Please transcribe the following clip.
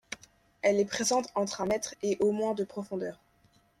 Elle est présente entre un mètre et au moins de profondeur.